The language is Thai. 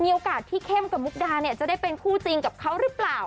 โอกาสที่เข้มกับมุกดาเนี่ยจะได้เป็นคู่จริงกับเขาหรือเปล่า